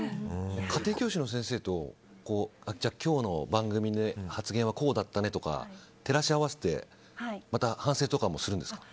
家庭教師の先生と今日の番組の発言はこうだったねとか照らし合わせてまた反省とかもするんですか？